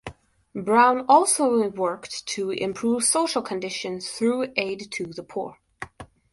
Brown also worked to improve social conditions through aid to the poor.